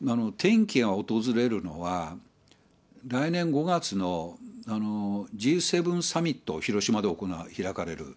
転機が訪れるのは、来年５月のＧ７サミット、広島で開かれる。